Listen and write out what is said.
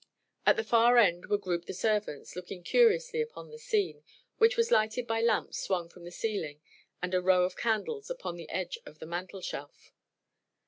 At the far end were grouped the servants, looking curiously upon the scene, which was lighted by lamps swung from the ceiling and a row of candles upon the edge of the mantelshelf.